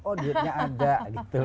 oh dietnya ada gitu loh